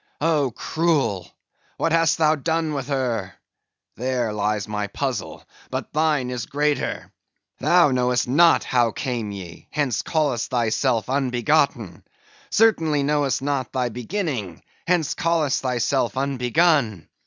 Oh, cruel! what hast thou done with her? There lies my puzzle; but thine is greater. Thou knowest not how came ye, hence callest thyself unbegotten; certainly knowest not thy beginning, hence callest thyself unbegun.